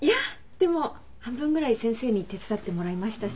でも半分ぐらい先生に手伝ってもらいましたし。